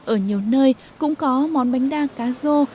ở nhiều nơi cũng có món bánh đa cá rô